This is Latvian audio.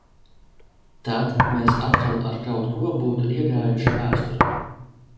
Tad mēs atkal ar kaut ko būtu iegājuši vēsturē.